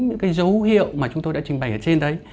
những cái dấu hiệu mà chúng tôi đã trình bày ở trên đấy